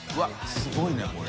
すごいねこれ。